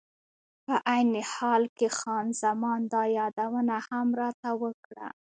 په عین حال کې خان زمان دا یادونه هم راته وکړه.